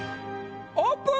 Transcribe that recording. オープン！